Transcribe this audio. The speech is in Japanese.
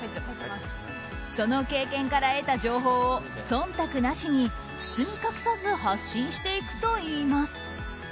その経験から得た情報を忖度なしに、包み隠さず発信していくといいます。